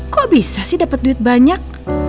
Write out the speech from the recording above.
kok bisa sih dapat duit banyak